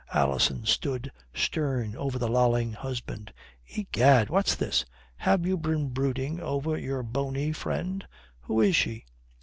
Alison stood stern over the lolling husband. "Egad, what's this? Have you been brooding over your bony friend? Who is she?"